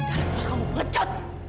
dan rasa kamu ngecut